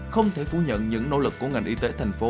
không thể phủ nhận những nỗ lực của ngành y tế tp hcm